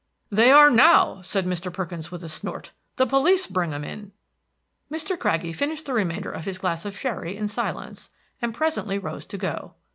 "They are now," said Mr. Perkins, with a snort, "the police bring 'em it." Mr. Craggie finished the remainder of his glass of sherry in silence, and presently rose to go.